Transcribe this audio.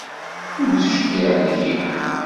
Ur d-tecliɛ deg-i.